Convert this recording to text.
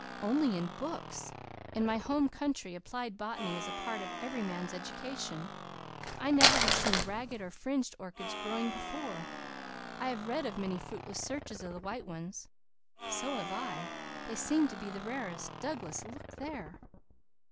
"Only in books! In my home country applied botany is a part of every man's education. I never have seen ragged or fringed orchids growing before. I have read of many fruitless searches for the white ones." "So have I. They seem to be the rarest. Douglas, look there!"